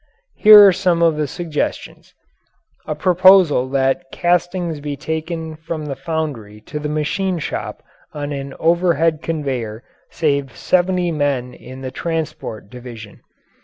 Here are some of the suggestions: A proposal that castings be taken from the foundry to the machine shop on an overhead conveyor saved seventy men in the transport division.